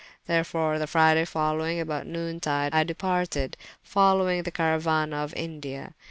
Therefore the Friday folowyng, about noone tyde, I departed, folowyng the carauana of India.